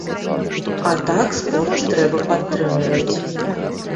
А так спорт трэба падтрымліваць.